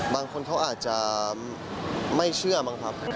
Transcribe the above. บางคนเขาอาจจะไม่เชื่อบ้างครับ